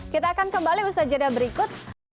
kita akan kembali usaha jeda berikut